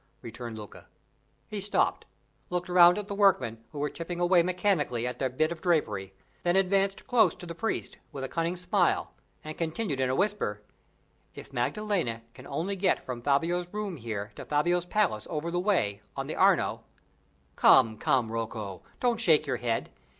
returned Luca. He stopped, looked round at the workmen, who were chipping away mechanically at their bit of drapery; then advanced close to the priest, with a cunning smile, and continued in a whisper, "If Maddalena can only get from Fabio's room here to Fabio's palace over the way, on the Arno come, come, Rocco! don't shake your head.